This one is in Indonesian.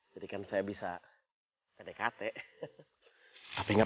jadikan saya bisa kate kate tapi nggak